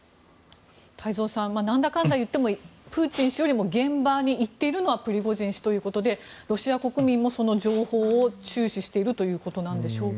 太蔵さんなんだかんだいってもプーチン氏よりも現場に行っているのはプリゴジン氏ということでロシア国民もその情報を注視しているということなんでしょうか。